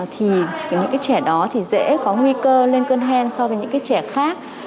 thì những trẻ đó thì dễ có nguy cơ lên cơn hen so với những trẻ khác